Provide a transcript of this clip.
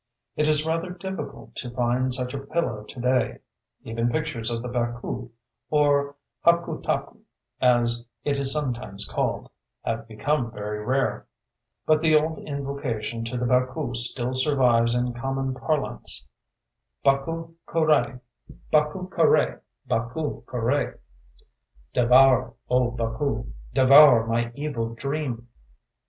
It is rather difficult to find such a pillow to day: even pictures of the Baku (or "Hakutaku," as it is sometimes called) have become very rare. But the old invocation to the Baku still survives in common parlance: Baku kuraë! Baku kuraë! "Devour, O Baku! devour my evil dream!"...